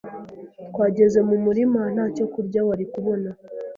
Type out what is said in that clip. twageze mumurima ntacyo kurya wari kubona